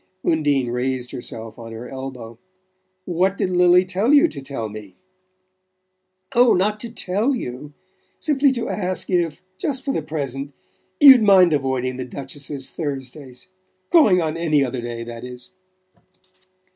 Undine raised herself on her elbow. "What did Lili tell you to tell me?" "Oh, not to TELL you...simply to ask if, just for the present, you'd mind avoiding the Duchess's Thursdays ...calling on any other day, that is."